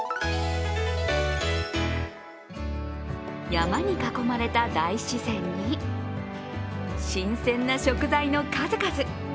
山に囲まれた大自然に新鮮な食材の数々。